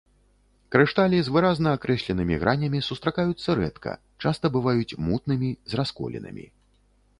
Крышталі з выразна акрэсленымі гранямі сустракаюцца рэдка, часта бываюць мутнымі, з расколінамі.